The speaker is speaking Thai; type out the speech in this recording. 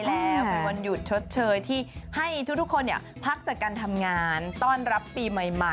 แล้วเป็นวันหยุดชดเชยที่ให้ทุกคนพักจากการทำงานต้อนรับปีใหม่